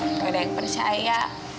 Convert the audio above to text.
nggak ada yang percaya